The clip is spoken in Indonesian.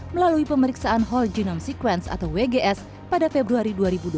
melalui pemeriksaan whole genome sequence atau wgs pada februari dua ribu dua puluh